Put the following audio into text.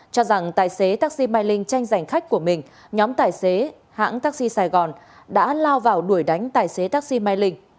cho rằng tài xế taxi mai linh tranh giành khách của mình nhóm tài xế hãng taxi sài gòn đã lao vào đuổi đánh tài xế taxi mai linh